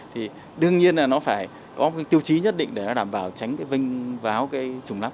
thì đương nhiên là nó phải có cái tiêu chí nhất định để nó đảm bảo tránh cái vinh váo cái chủng lắp